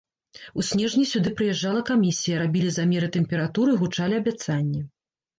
У снежні сюды прыязджала камісія, рабілі замеры тэмпературы, гучалі абяцанні.